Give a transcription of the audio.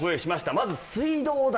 まず水道代。